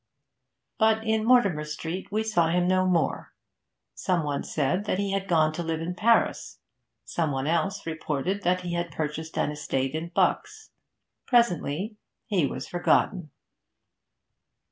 But in Mortimer Street we saw him no more. Some one said that he had gone to live in Paris; some one else reported that he had purchased an estate in Bucks. Presently he was forgotten.